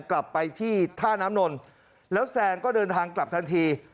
กลับไปที่ท่าน้ำนนท์แล้วแซนก็เดินทางกลับทันที